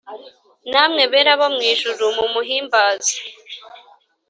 Namwe bera bo mw’ijuru mumuhimbaze